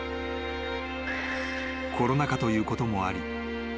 ［コロナ禍ということもあり